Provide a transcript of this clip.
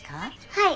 はい。